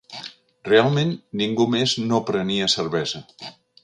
Realment ningú més no prenia cervesa.